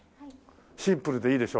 シンプルでいいでしょ？